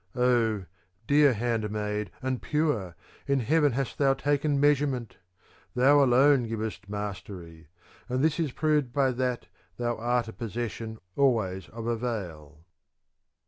Oh, dear handmaid and pure, in heaven hast thou taken measurement !^ Thou alone givest mastery ; and this is proved by that thou art a posses sion always of avail.